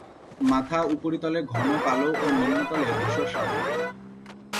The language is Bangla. মাথা উপরিতলে ঘন কালো ও নিম্নতলে ধূসর সাদা।